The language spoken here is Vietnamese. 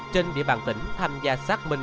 trên địa bàn tỉnh tham gia xác minh